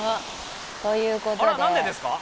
何でですか？